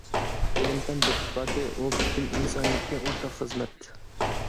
ئىلىم-پەن تەتقىقاتى ئۇ پۈتۈن ئىنسانىيەتكە ئورتاق خىزمەت.